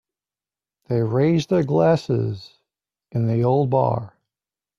They raised their glasses in the old bar.